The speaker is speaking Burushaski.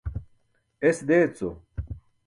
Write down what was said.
Es deeco.